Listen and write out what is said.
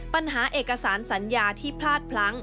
ปัญหาเอกสารสัญญาที่พลาดพลั้ง